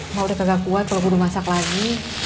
mau udah kagak kuat kalau gua udah masak lagi